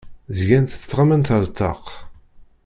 Zgant ttɣamant ar ṭṭaq.